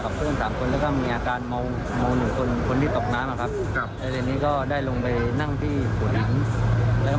วิ่งเข้าขนาดนี้แบบว่าช่วยไม่ได้เนี๊ยมมา